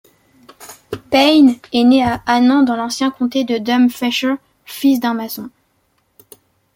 Payne est né à Annan dans l'ancien comté du Dumfriesshire, fils d'un maçon.